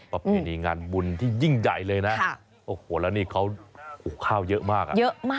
ประเพณีงานบุญที่ยิ่งใหญ่เลยนะแล้วนี่ข้าวเยอะมาก